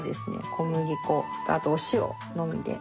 小麦粉とあとお塩のみで。